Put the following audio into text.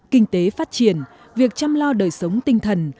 kinh tế phát triển việc chăm lo đời sống tinh thần